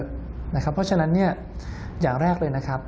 เพราะฉะนั้นอย่างแรกเลย